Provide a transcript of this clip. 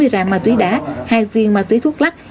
bốn mươi ràng ma túy đá hai viên ma túy thuốc lắc